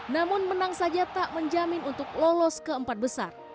namun menang saja tak menjamin untuk lolos keempat besar